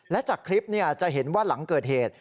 และจากคลิปจะเห็นว่าหลังเกิดเหตุ